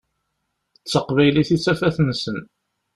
D taqbaylit i d tafat-nsen.